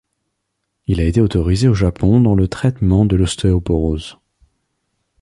Il a été autorisé au Japon dans le traitement de l'ostéoporose.